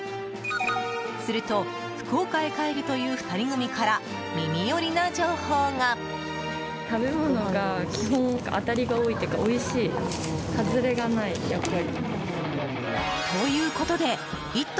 すると、福岡へ帰るという２人組から耳寄りな情報が。ということで「イット！」